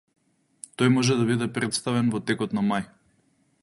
Тој може да биде претставен во текот на мај